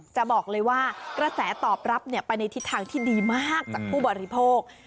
จะบอกเลยว่ากระแสตอบรับไปในทิศทางที่ดีมากจากผู้บริโภค